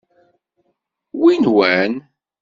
Wi nwen?